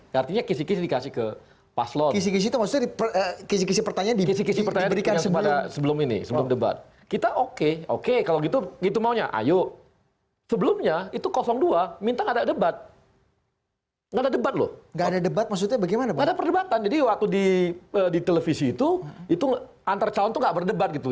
gak ada perdebatan jadi waktu di televisi itu antar calon tuh gak berdebat gitu